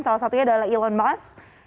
salah satunya adalah elon musk